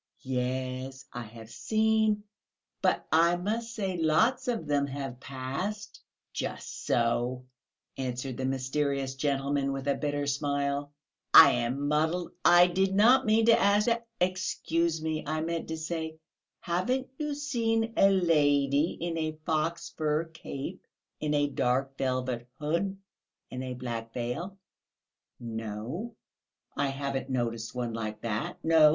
"Yes, I have seen ... but I must say lots of them have passed...." "Just so," answered the mysterious gentleman, with a bitter smile. "I am muddled, I did not mean to ask that; excuse me, I meant to say, haven't you seen a lady in a fox fur cape, in a dark velvet hood and a black veil?" "No, I haven't noticed one like that ... no.